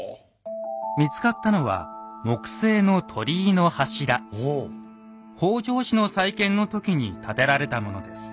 見つかったのは北条氏の再建の時に建てられたものです。